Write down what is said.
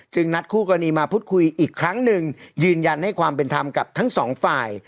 นัดคู่กรณีมาพูดคุยอีกครั้งหนึ่งยืนยันให้ความเป็นธรรมกับทั้งสองฝ่าย